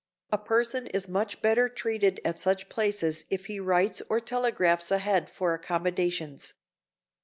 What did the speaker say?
A person is much better treated at such places if he writes or telegraphs ahead for accommodations.